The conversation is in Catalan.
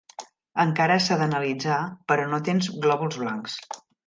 Encara s'ha d'analitzar, però no tens glòbuls blancs.